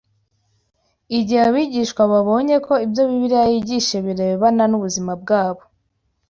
Igihe abigishwa babonye ko ibyo Bibiliya yigisha birebana n’ubuzima bwabo,